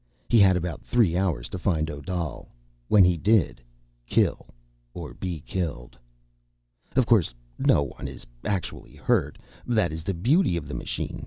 He had about three hours to find Odal. When he did—kill or be killed. _Of course no one is actually hurt. That is the beauty of the machine.